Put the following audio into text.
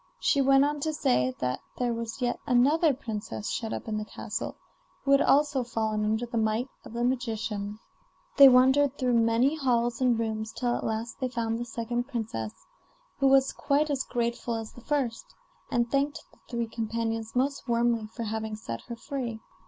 She went on to say that there was yet another princess shut up in the castle, who had also fallen under the might of the magician. They wandered through many halls and rooms till at last they found the second princess, who was quite as grateful as the first, and thanked the three companions most warmly for having set her free.